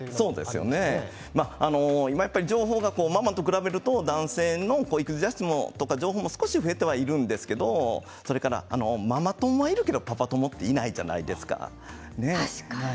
情報がママと比べると男性の育児雑誌情報は少し増えているんですけどそれからママ友はいるけどパパ友はいないじゃないですか。